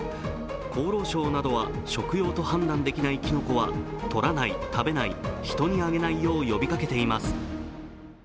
厚労省などは食用と判断できないきのこは採らない、食べない、人にあげないよう呼びかけています。